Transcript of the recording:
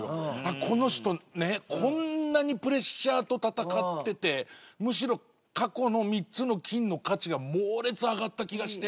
この人ねこんなにプレッシャーと戦っててむしろ過去の３つの金の価値が猛烈上がった気がして。